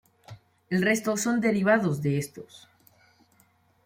El resto son derivados de estos.